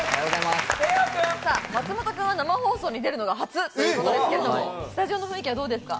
松本君は生放送に出るのが初ということですけれども、スタジオの雰囲気はどうですか？